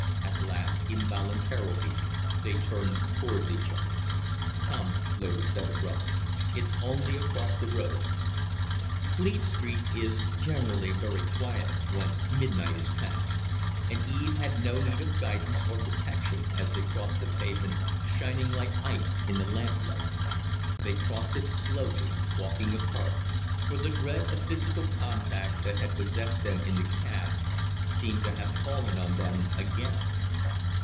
At last involuntarily they turned towards each other. "Come!" Loder said, abruptly. "It's only across the road." Fleet Street is generally very quiet, once midnight is passed; and Eve had no need of guidance or protection as they crossed the pavement, shining like ice in the lamplight. They crossed it slowly, walking apart; for the dread of physical contact that had possessed them in the cab seemed to have fallen on them again.